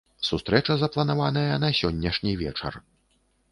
Сустрэча запланаваная на сённяшні вечар.